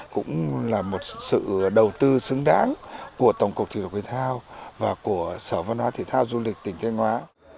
cũng là một sự đầu tư xứng đáng của tổng cục thủy lục huy thao và của sở văn hóa thủy thao du lịch tỉnh thanh hóa